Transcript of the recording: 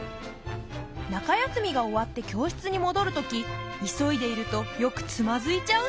中休みが終わって教室にもどるとき急いでいるとよくつまずいちゃうんだって。